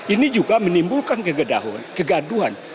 ini juga menimbulkan kegaduhan